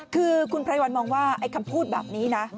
คือคุณไพรวัลมองว่าไอ้คำพูดแบบนี้นะ